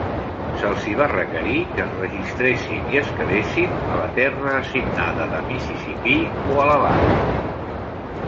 Se'ls hi va requerir que es registressin i es quedessin a la terra assignada de Mississippi o Alabama.